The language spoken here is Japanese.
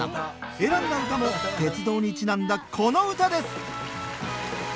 選んだ歌も鉄道にちなんだこの歌です